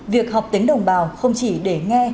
việc học tiếng đồng bào không chỉ để nghe